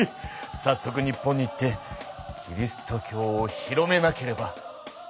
さっそく日本に行ってキリスト教を広めなければ。